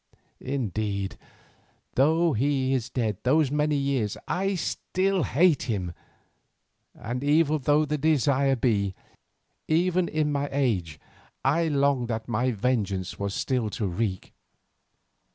Indeed, though he is dead these many years I still hate him, and evil though the desire be, even in my age I long that my vengeance was still to wreak.